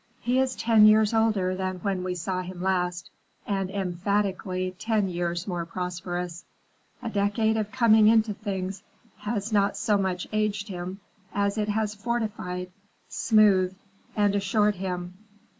He is ten years older than when we saw him last, and emphatically ten years more prosperous. A decade of coming into things has not so much aged him as it has fortified, smoothed, and assured him.